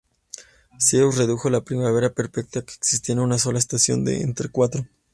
Zeus redujo la primavera perpetua que existía a una sola estación de entre cuatro.